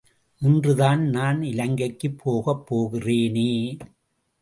இன்றுதான் நான் இலங்கைக்குப் போகப் போகிறேனே!